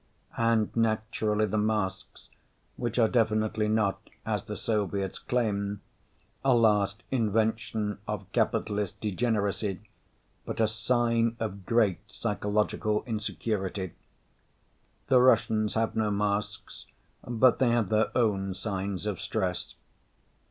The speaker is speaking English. And naturally, the masks which are definitely not, as the Soviets claim, a last invention of capitalist degeneracy, but a sign of great psychological insecurity. The Russians have no masks, but they have their own signs of stress.